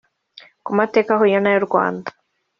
ku mateka ahuye n’ay’u Rwanda